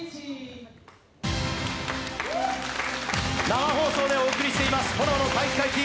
生放送でお送りしています「体育会ＴＶ」。